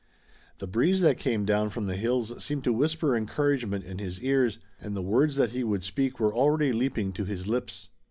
The breeze that came down from the hills seemed to whisper encouragement in his ears, and the words that he would speak were already leaping to his lips.